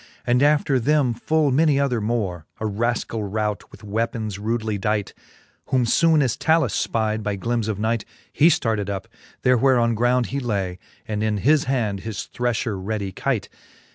And after them full many other more, A raskall rout, with weapons rudely dight. Whom foone as Talus fpide by glims of night, He ftarted up, there where on ground he lay, And in his hand his threiher ready keight.